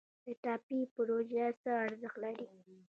د ټاپي پروژه څه ارزښت لري؟